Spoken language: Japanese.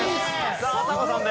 さああさこさんです。